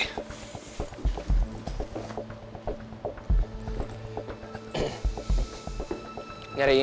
tadi gue penasaran nih